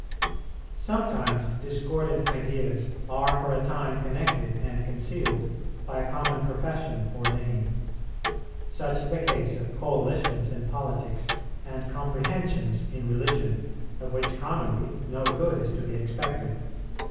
Sometimes discordant ideas are for a time connected and concealed by a common profession or name. Such is the case of coalitions in politics and comprehensions in religion, of which commonly no good is to be expected.